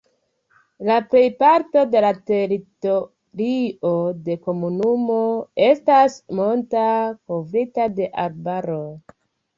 La plejparto de la teritorio de la komunumo estas monta, kovrita de arbaroj.